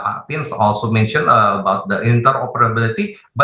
pak vincent juga menyebutkan tentang interoperabilitas